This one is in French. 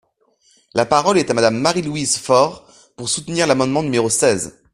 La parole est à Madame Marie-Louise Fort, pour soutenir l’amendement numéro seize.